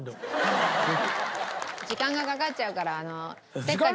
時間がかかっちゃうから。